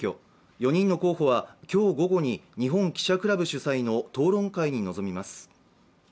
４人の候補は今日午後に日本記者クラブ主催の討論会に臨みます。